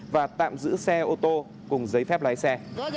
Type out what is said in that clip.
và tạm giữ xe ô tô cùng giấy phép lái xe